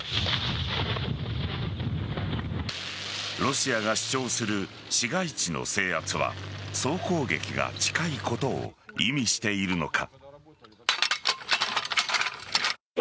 ロシアが主張する市街地の制圧は総攻撃が近いことを意味しているのか。